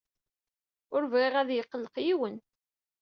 Ur bɣiɣ ad iyi-qelleq yiwen.